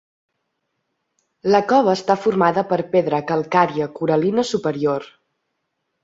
La cova està formada per pedra calcària coral·lina superior.